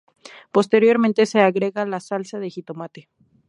Posteriormente se agrega la salsa de jitomate.